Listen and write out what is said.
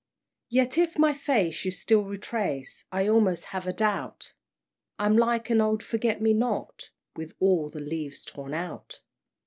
"Yet if my face you still retrace, I almost have a doubt I'm like an old Forget me not, With all the leaves torn out!